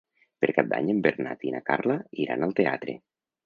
Per Cap d'Any en Bernat i na Carla iran al teatre.